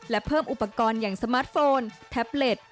และเพิ่มอุปกรณ์อย่างสมาร์ทโฟนแท็บเล็ต